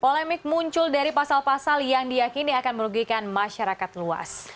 polemik muncul dari pasal pasal yang diakini akan merugikan masyarakat luas